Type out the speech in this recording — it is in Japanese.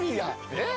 えっ？